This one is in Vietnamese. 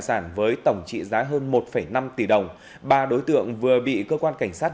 làm như thế nào được có cái nhà